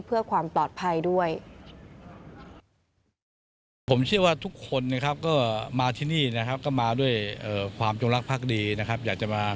เพื่อความปลอดภัยด้วย